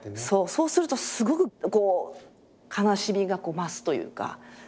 そうするとすごくこう悲しみが増すというか。ね？